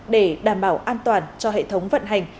để đảm bảo an toàn cho hệ thống vận hành